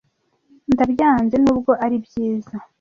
ndabyanze nubwo ari byiza